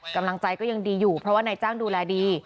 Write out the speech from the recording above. กำลังใจก็ยังดีอยู่เพราะว่านายจ้างดูแลดี